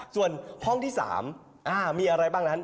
ส่วนห้องที่๓มีอะไรบ้างนั้น